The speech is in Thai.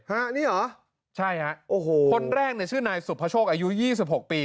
ฮะนี่เหรอใช่ฮะโอ้โหคนแรกเนี่ยชื่อนายสุภโชคอายุยี่สิบหกปี